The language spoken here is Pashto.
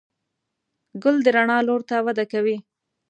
ګل د رڼا لور ته وده کوي.